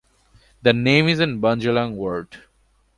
The name is an Bundjalung word.